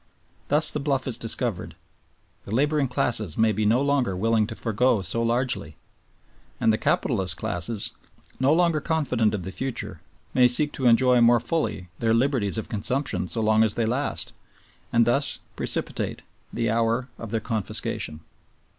Thus the bluff is discovered; the laboring classes may be no longer willing to forego so largely, and the capitalist classes, no longer confident of the future, may seek to enjoy more fully their liberties of consumption so long as they last, and thus precipitate the hour of their confiscation.